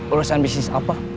urusan bisnis apa